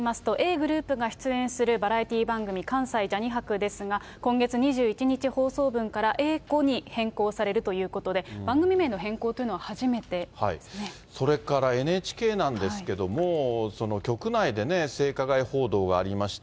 ｇｒｏｕｐが出演するバラエティ番組、関西ジャニ博ですが、今月２１日放送分からエーエコに変更するということで、それからＮＨＫなんですけれども、局内でね、性加害報道がありました。